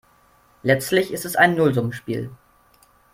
Letztlich ist es ein Nullsummenspiel.